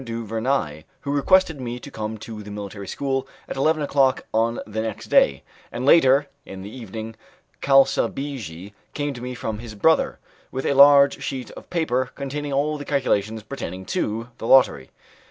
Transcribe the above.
du Vernai, who requested me to come to the military school at eleven o'clock on the next day, and later in the evening Calsabigi came to me from his brother, with a large sheet of paper containing all the calculations pertaining to the lottery.